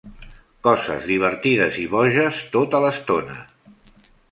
Coses divertides i boges tota l'estona.